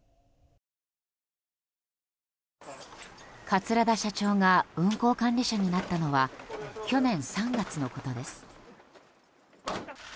桂田社長が運航管理者になったのは去年３月のことです。